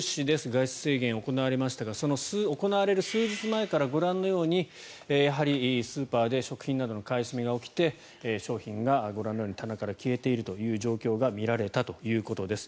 外出制限が行われましたがその行われる数日前からご覧のようにスーパーで食品などの買い占めが起きて商品がご覧のように棚から消えている状況が見られたということです。